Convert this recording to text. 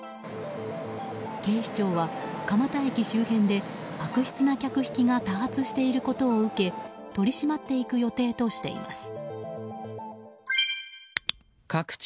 警視庁は蒲田駅周辺で悪質な客引きが多発していることを受け取り締まっていく予定としています。